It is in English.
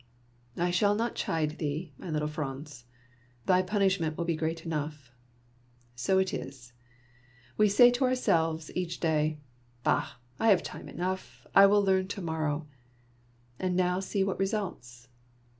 *' I shall not chide thee, my little Franz ; thy punishment will be great enough. So it is ! We say to ourselves each day, * Bdr! I have time enough. I will learn to morrow.' And now see what results.